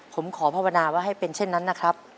ผมขอภาวนาว่าให้เป็นเช่นนั้นนะครับ